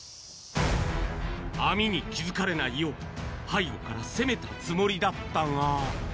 網に気付かれないよう、背後から攻めたつもりだったが。